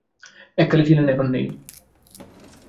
এককালে ছিলেন, এখন নেই।